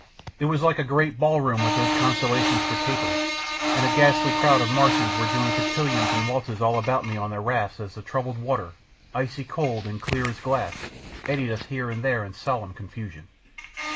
It was like a great ballroom with those constellations for tapers, and a ghastly crowd of Martians were doing cotillions and waltzes all about me on their rafts as the troubled water, icy cold and clear as glass, eddied us here and there in solemn confusion.